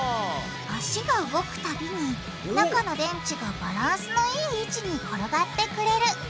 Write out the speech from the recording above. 足が動くたびに中の電池がバランスのいい位置に転がってくれる。